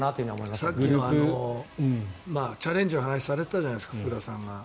さっきのチャレンジの話をされてたじゃないですか福田さんが。